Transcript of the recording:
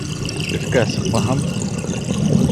Өҫкә сыҡмаһам?